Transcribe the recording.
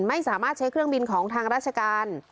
ไม่สามารถใช้เครื่องบินของทางราชการ